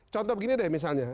contoh begini deh misalnya